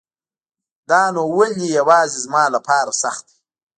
دا نو ولی يواځي زما لپاره سخت دی